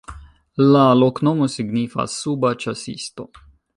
La loknomo signifas: suba-ĉasisto.